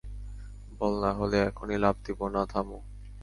বল নাহলে এখনই লাফ দিব-- না থামো!